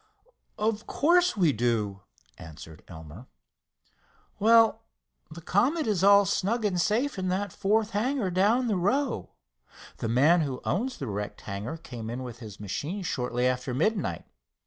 "Of course we do," answered Elmer. "Well, the Comet is all snug and safe in that fourth hangar down the row. The man who owns the wrecked hangar came in with his machine shortly after midnight.